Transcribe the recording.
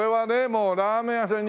もうラーメン屋さん